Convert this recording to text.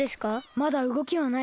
まだうごきはないね。